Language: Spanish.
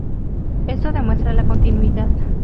Esto demuestra la continuidad.